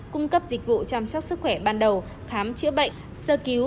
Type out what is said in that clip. cung cấp dịch vụ chăm sóc sức khỏe ban đầu khám chữa bệnh sơ cứu